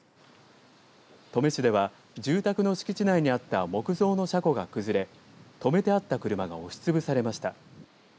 登米市では住宅の敷地内にあった木造の車庫が崩れ止めてあった車が押しつぶされました。